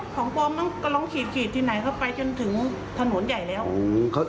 ของปลอมมันกำลังขีดที่ไหนเข้าไปจนถึงถนนใหญ่แล้ว